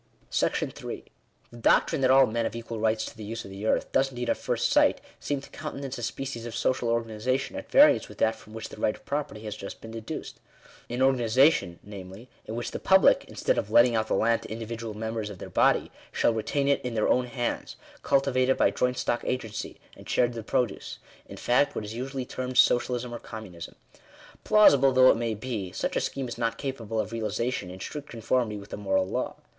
§3. The doctrine that all men have equal rights to the use of the earth, does indeed at first sight, seem to countenance a species of Digitized by VjOOQIC THE RIGHT OF PROPERTY. 181 social organization, at variance with that from which the right of property has just been deduced ; an organization, namely, in which the public, instead of letting out the land to individual members of their body, shall retain it in their own hands ; cul tivate it by joint stock agency ; and share the produce : in fact, what is usually termed Socialism or Communism. Plausible though it may be, such a scheme is not capable of realization in strict conformity with the moral law.